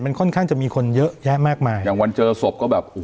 มันค่อนข้างจะมีคนเยอะแยะมากมายอย่างวันเจอศพก็แบบโอ้โห